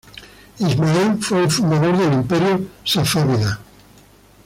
Ismail fue el fundador del imperio safávida.